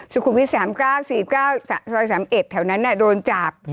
สุขุมวิท๓๙๔๙ซอย๓๑แถวนั้นโดนจับ